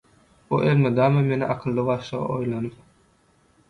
Bu elmydama meni akylly-başly oýlanyp